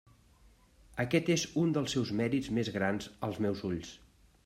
Aquest és un dels seus mèrits més grans als meus ulls.